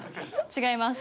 違います。